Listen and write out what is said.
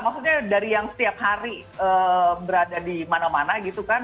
maksudnya dari yang setiap hari berada di mana mana gitu kan